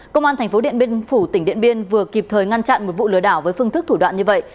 công an tp điện biên phủ tỉnh điện biên vừa kịp thời ngăn chặn một vụ lừa đảo với phương thức thủ đoạn như vậy